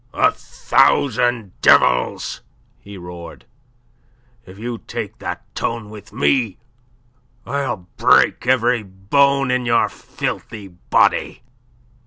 "A thousand devils!" he roared; "if you take that tone with me, I'll break every bone in your filthy body."